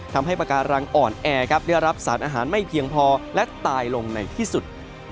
ทำให้ปากการังอ่อนแอครับได้รับสารอาหารไม่เพียงพอและตายลงในที่สุด